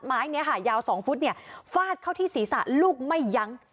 ไม้นี้ค่ะยาว๒ฟุตฟาดเข้าที่ศีรษะลูกไม่ยั้ง